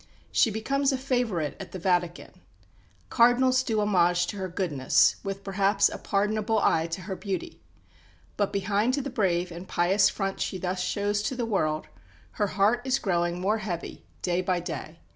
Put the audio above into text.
She becomes a favourite at the Vatican; Cardinals do homage to her goodness, with perhaps a pardonable eye to her beauty. But behind the brave and pious front she thus shows to the world her heart is growing more heavy day by day.